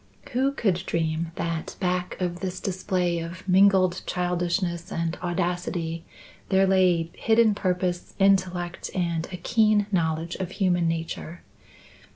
Who could dream that back of this display of mingled childishness and audacity there lay hidden purpose, intellect, and a keen knowledge of human nature.